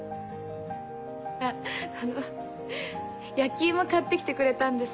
あっあの焼き芋買って来てくれたんです。